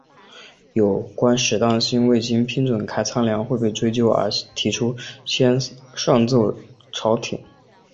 有官吏担心未经批准开粮仓会被追究而提出先上奏朝廷。